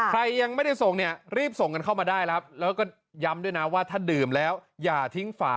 ใครยังไม่ได้ส่งเนี่ยรีบส่งกันเข้ามาได้ครับแล้วก็ย้ำด้วยนะว่าถ้าดื่มแล้วอย่าทิ้งฝา